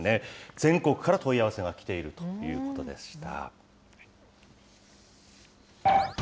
全国から問い合わせが来ているということでした。